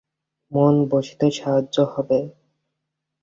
মন বসতে সাহায্য হবে।